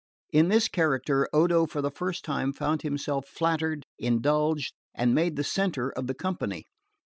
In this character Odo for the first time found himself flattered, indulged, and made the centre of the company.